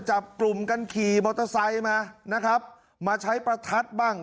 จับกลุ่มกันขี่มอเตอร์ไซค์มานะครับมาใช้ประทัดบ้าง